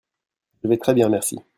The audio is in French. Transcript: Je vais très bien, merci.